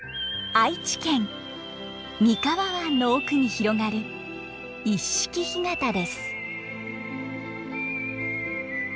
愛知県三河湾の奥に広がる一色干潟です。